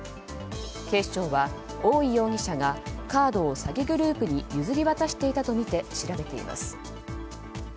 警視庁は大井容疑者がカードを詐欺グループに譲り渡していたとみて調べています。